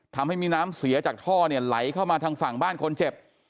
ทำให้มีน้ำเสียจากท่อเนี่ยไหลเข้ามาทางฝั่งบ้านคนเจ็บ